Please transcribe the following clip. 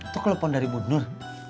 kau kelepon dari ibu nur